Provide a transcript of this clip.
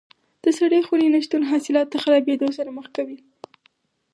د سړې خونې نه شتون حاصلات له خرابېدو سره مخ کوي.